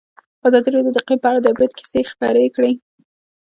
ازادي راډیو د اقلیم په اړه د عبرت کیسې خبر کړي.